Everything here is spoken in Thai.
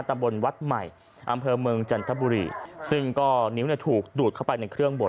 ตำบลวัดใหม่อำเภอเมืองจันทบุรีซึ่งก็นิ้วเนี่ยถูกดูดเข้าไปในเครื่องบด